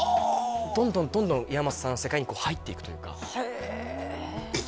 どんどんどんどん岩松さんの世界にこう入っていくというかえっ